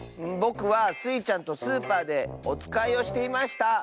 ぼくはスイちゃんとスーパーでおつかいをしていました。